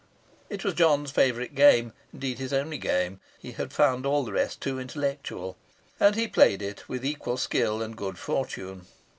It was John's favourite game; indeed his only game he had found all the rest too intellectual and he played it with equal skill and good fortune.